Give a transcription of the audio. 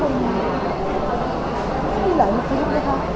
ก็ใช้ส่วนตัวเป็นส่วนตัว